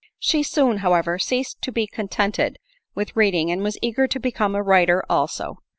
She soon, however, ceased to be contented with read ing, and was eager to become a writer also.